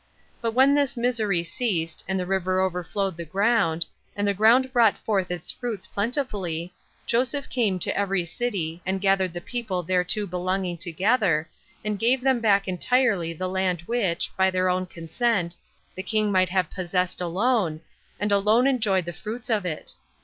But when this misery ceased, and the river overflowed the ground, and the ground brought forth its fruits plentifully, Joseph came to every city, and gathered the people thereto belonging together, and gave them back entirely the land which, by their own consent, the king might have possessed alone, and alone enjoyed the fruits of it.